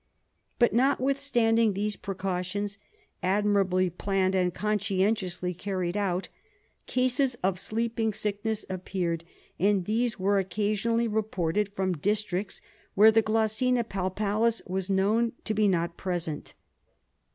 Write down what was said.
But, notwithstanding these precautions, admirably planned and conscientiously carried out, cases of sleeping sickness appeared, and these were occasionally reported from districts where the Glossina palpalis was known to be not present.